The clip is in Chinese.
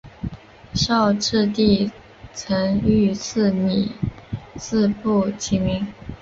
绍治帝曾御赐米字部起名。